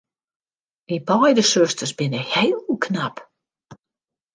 Dy beide susters binne heel knap.